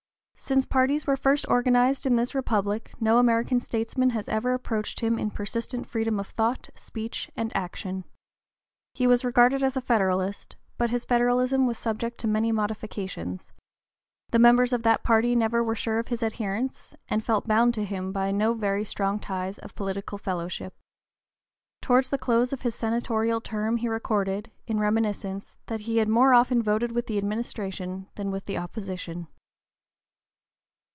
Since parties (p. 035) were first organized in this Republic no American statesman has ever approached him in persistent freedom of thought, speech, and action. He was regarded as a Federalist, but his Federalism was subject to many modifications; the members of that party never were sure of his adherence, and felt bound to him by no very strong ties of political fellowship. Towards the close of his senatorial term he recorded, in reminiscence, that he had more often voted with the administration than with the opposition.